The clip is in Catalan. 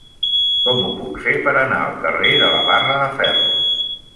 Com ho puc fer per anar al carrer de la Barra de Ferro?